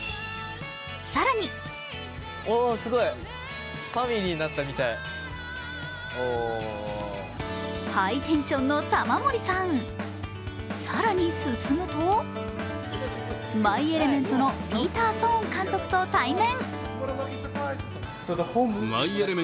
更にハイテンションの玉森さん更に進むと「マイ・エレメント」のピーター・ソーン監督と対面。